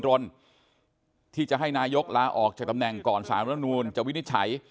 ไม่ต้องดินรนที่จะให้นายกลาออกจากตำแหน่งก่อนสารธรรมนูญจะวินิจฉัย